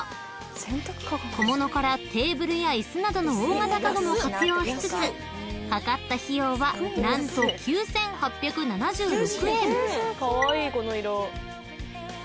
［小物からテーブルや椅子などの大型家具も活用しつつかかった費用は何と９，８７６円］